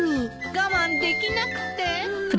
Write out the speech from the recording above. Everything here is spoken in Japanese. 我慢できなくて。